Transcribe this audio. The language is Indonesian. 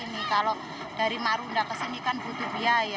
nggak mau jauh